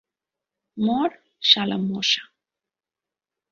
মর, শালা মশা।